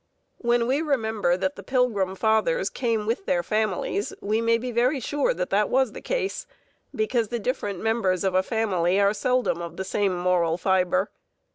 When we remember that the Pilgrim Fathers came with their families, we may be very sure that that was the case, because the different members of a family are seldom of the same moral fibre.